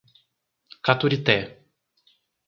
Caturité